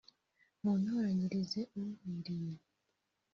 muntoranyirize unkwiriye